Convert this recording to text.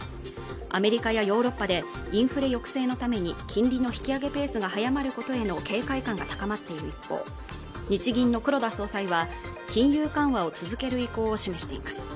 アメリカやヨーロッパでインフレ抑制のために金利の引き上げペースが早まることへの警戒感が高まっている一方日銀の黒田総裁は金融緩和を続ける意向を示しています